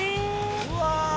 うわ！